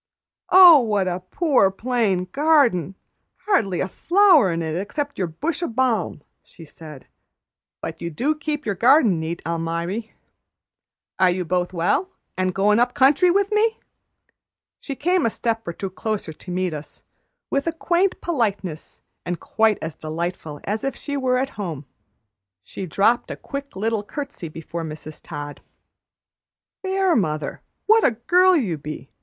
"Oh, what a poor, plain garden! Hardly a flower in it except your bush o' balm!" she said. "But you do keep your garden neat, Almiry. Are you both well, an' goin' up country with me?" She came a step or two closer to meet us, with quaint politeness and quite as delightful as if she were at home. She dropped a quick little curtsey before Mrs. Todd. "There, mother, what a girl you be!